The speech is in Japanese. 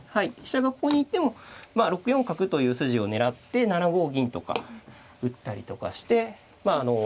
飛車がここに行っても６四角という筋を狙って７五銀とか打ったりとかして。